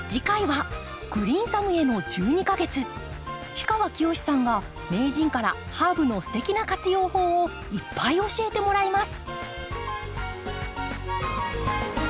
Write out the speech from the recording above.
氷川きよしさんが名人からハーブのすてきな活用法をいっぱい教えてもらいます。